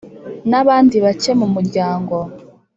n’abandi bake mumuryango.